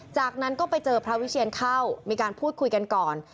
จากนั้นก็ไปเจอพระวิเชียนเข้ามีการพูดคุยกันก่อน